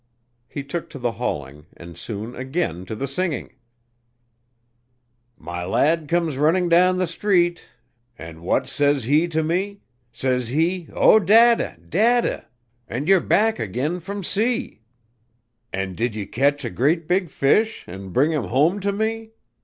He took to the hauling, and soon again to the singing: "My lad comes running down the street, And what says he to me? Says he, 'O dadda, dadda, And you're back again from sea! "'And did you ketch a great big fish And bring him home to me?